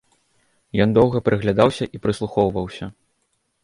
Ён доўга прыглядаўся і прыслухоўваўся.